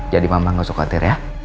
jadi mama nggak usah khawatir ya